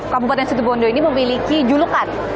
kabupaten situbondo ini memiliki julukan